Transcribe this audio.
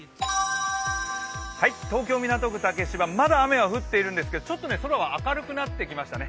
東京・港区竹芝、まだ雨は降っているんですけどちょっと空は明るくなってきましたね。